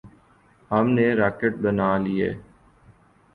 ہم نے راکٹ بنا لیے۔